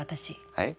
はい？